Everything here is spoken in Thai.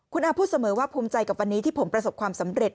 คุณอาพูดเสมอว่าภูมิใจกับวันนี้ที่ผมประสบความสำเร็จ